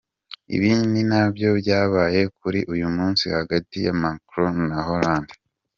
Ibi ni nabyo byabaye kuri uyu munsi hagati ya Macron na Hollande.